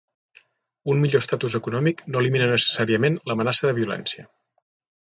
Un millor estatus econòmic no elimina necessàriament l'amenaça de violència.